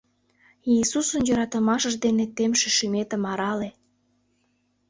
Иисусын йӧратымашыж дене темше шӱметым арале.